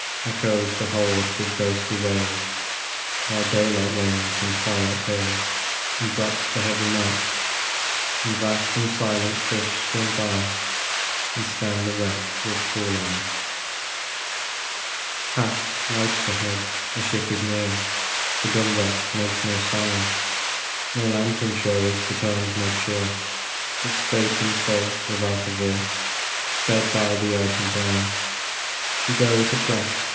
Echoes the hold with ghostly wails, While daylight wanes, and twilight pales, And drops the heavy night, 50 DERELICT. And vast and silent fish swim by, And scan the wreck with cruel eye. Ha ! lights ahead ! A ship is near ! The dumb wreck makes no sign ; No lantern shows, returns no cheer, But straight and full, without a veer, Sped by the urging brine She goes a crash